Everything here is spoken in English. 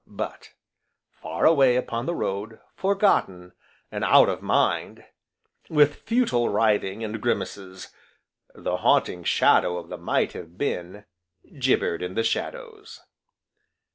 But, far away upon the road, forgotten, and out of mind, with futile writhing and grimaces, the Haunting Shadow of the Might Have Been jibbered in the shadows.